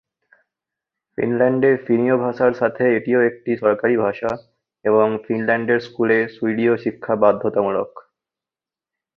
ফিনল্যান্ডে ফিনীয় ভাষার সাথে এটিও একটি সরকারী ভাষা এবং ফিনল্যান্ডের স্কুলে সুইডীয় শিক্ষা বাধ্যতামূলক।